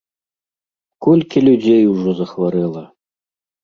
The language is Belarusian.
Колькі людзей ужо захварэла!